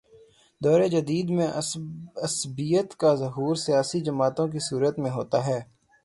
دور جدید میں عصبیت کا ظہور سیاسی جماعتوں کی صورت میں ہوتا ہے۔